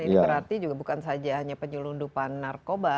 ini berarti juga bukan saja hanya penyelundupan narkoba